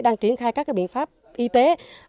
đang triển khai các biện pháp y tế